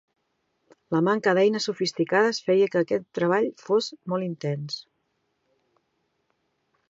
La manca d'eines sofisticades feia que aquest treball fos molt intens.